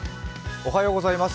おはようございます。